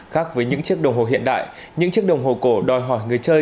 khác với những chiếc đồng hồ hiện đại những chiếc đồng hồ cổ đòi hỏi người chơi